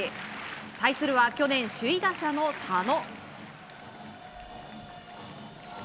対するは、去年首位打者の佐野。